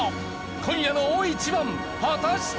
今夜の大一番果たして？